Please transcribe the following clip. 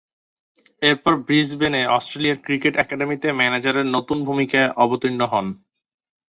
এরপর ব্রিসবেনে Australian cricket একাডেমিতে ম্যানেজারের নতুন ভূমিকায় অবতীর্ণ হন।